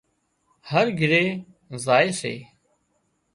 هر گھِري زائي سي